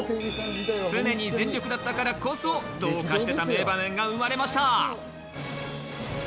つねに全力だったからこそ、どうかしていた名場面が生まれました。